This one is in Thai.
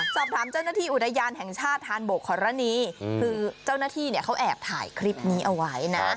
สอบถามเจ้าหน้าที่อุทยานแห่งชาติธานบกขอรณีคือเจ้าหน้าที่เนี่ยเขาแอบถ่ายคลิปนี้เอาไว้นะ